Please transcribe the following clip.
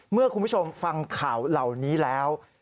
เมื่อคุณผู้ชมฟังข่าวเหล่านี้แล้ว